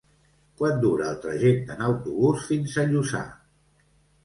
Quant dura el trajecte en autobús fins a Lluçà?